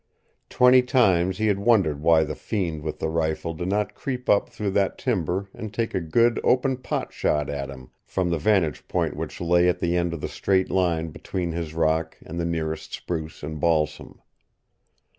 Twenty times he had wondered why the fiend with the rifle did not creep up through that timber and take a good, open pot shot at him from the vantage point which lay at the end of a straight line between his rock and the nearest spruce and balsam.